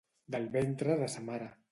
Del ventre de sa mare.